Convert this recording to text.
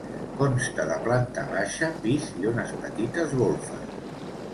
Consta de planta baixa, pis i unes petites golfes.